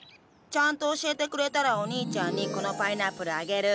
ちゃんと教えてくれたらおにいちゃんにこのパイナップルあげる。